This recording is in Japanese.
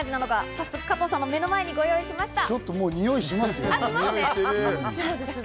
早速、加藤さんの目の前にご用意しました。